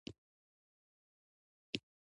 ازادي راډیو د تعلیم پر وړاندې د حل لارې وړاندې کړي.